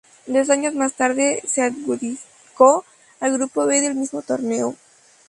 Dos años más tarde se adjudicó el grupo B del mismo torneo.